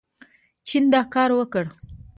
چین دا کار وکړ.